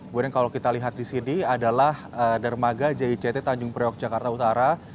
kemudian kalau kita lihat di sini adalah dermaga jict tanjung priok jakarta utara